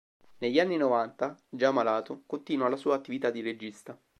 Negli anni novanta, già malato, continua la sua attività di regista.